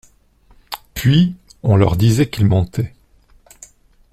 Puis, on leur disait qu'ils mentaient.